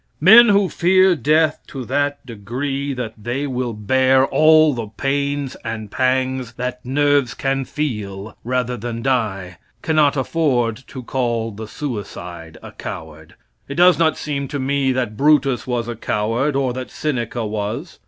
Men who fear death to that degree that they will bear all the pains and pangs that nerves can feel rather than die, cannot afford to call the suicide a coward. It does not seem to me that Brutus was a coward or that Seneca was.